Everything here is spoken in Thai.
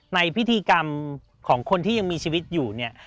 ในพิธีกรรมของคนที่ยังมีชีวิตอยู่เนี่ย